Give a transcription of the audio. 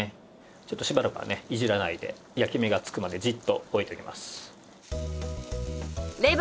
ちょっとしばらくはねいじらないで焼き目がつくまでじっとおいておきます。